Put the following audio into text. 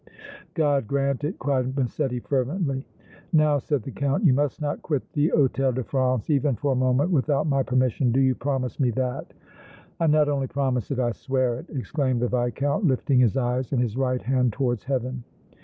"God grant it!" cried Massetti, fervently. "Now," said the Count, "you must not quit the Hôtel de France even for a moment without my permission! Do you promise me that?" "I not only promise it, I swear it!" exclaimed the Viscount, lifting his eyes and his right hand towards Heaven.